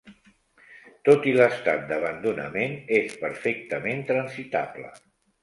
Tot i l'estat d'abandonament és perfectament transitable.